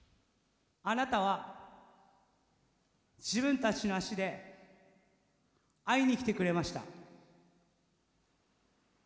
あなたは自分たちの足で会いに来てくれました。